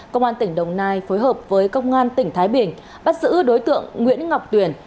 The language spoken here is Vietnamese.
công an tỉnh đồng nai phối hợp với công an tỉnh thái bình bắt giữ đối tượng nguyễn ngọc tuyển